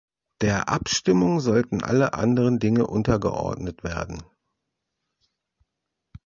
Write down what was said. Der Abstimmung sollten alle anderen Dinge untergeordnet werden.